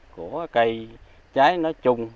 của cây trái nói chung